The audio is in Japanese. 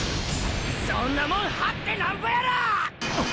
そんなもん張ってナンボやろ！